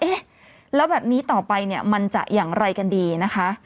เอ๊ะแล้วแบบนี้ต่อไปเนี่ยมันจะอย่างไรกันดีนะคะ